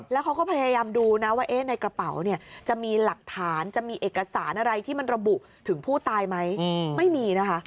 แล้วเขาก็พยายามดูนะว่าในกระเป๋าเนี่ย